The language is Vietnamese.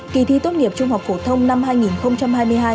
kỳ thi tốt nghiệp trung học phổ thông năm hai nghìn hai mươi hai